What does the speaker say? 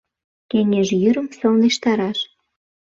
Кеҥеж йӱрым сылнештараш